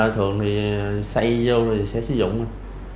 thường thì xây vô thì sẽ sử dụng anh